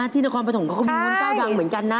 ที่นครปฐมเขาก็มีวุ้นเจ้าดังเหมือนกันนะ